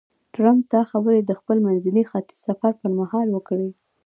ټرمپ دا خبرې د خپل منځني ختیځ سفر پر مهال وکړې.